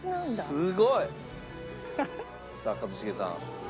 すごい！さあ一茂さん。